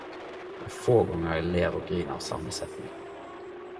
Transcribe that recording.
Det er få gonger eg ler og griner av same setning.